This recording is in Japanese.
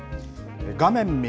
画面右。